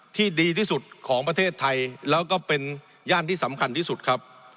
ดีที่สุดของประเทศไทยแล้วก็เป็นย่านที่สำคัญที่สุดครับ